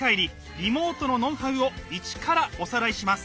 リモートのノウハウをイチからおさらいします。